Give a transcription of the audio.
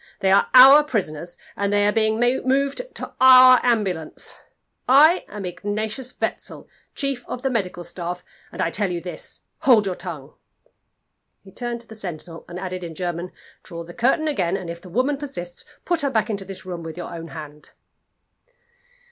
They are our prisoners, and they are being moved to our ambulance. I am Ingatius Wetzel, chief of the medical staff and I tell you this. Hold your tongue." He turned to the sentinel and added in German, "Draw the curtain again; and if the woman persists, put her back into this room with your own hand."